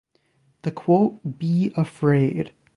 The quote Be afraid.